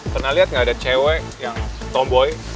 pernah liat gak ada cewek yang tomboy